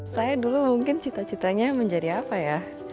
saya dulu mungkin cita citanya menjadi apa ya